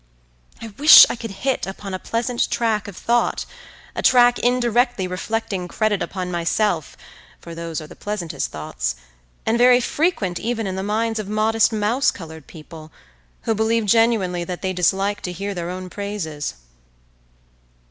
I wish I could hit upon a pleasant track of thought, a track indirectly reflecting credit upon myself, for those are the pleasantest thoughts, and very frequent even in the minds of modest mouse coloured people, who believe genuinely that they dislike to hear their own praises.